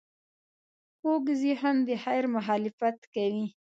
کوږ ذهن د خیر مخالفت کوي